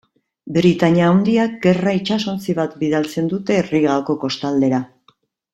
Britania Handiak gerra itsasontzi bat bidaltzen dute Rigako kostaldera.